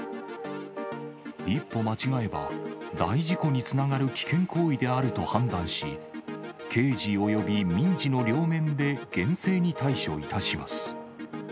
一歩間違えば、大事故につながる危険行為であると判断し、刑事および民事の両面で厳正に対処いたします。